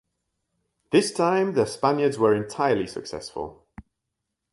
This time the Spaniards were entirely successful.